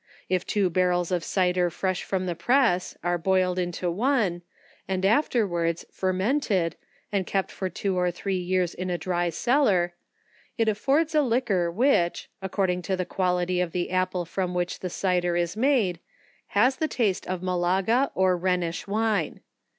If two barrels of cider fresh from the press, are boiled into one, and afterwards fermented, and kept for two or three years in a dry cellar, it affords a liquor which, according to the quality of the apple from which the cider is made, has the taste of Malaga, or Rhenish wine.